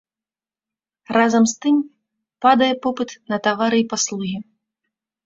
Разам з тым, падае попыт на тавары і паслугі.